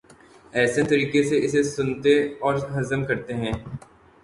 احسن طریقے سے اسے سنتے اور ہضم کرتے ہیں۔